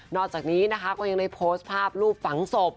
อกจากนี้นะคะก็ยังได้โพสต์ภาพรูปฝังศพ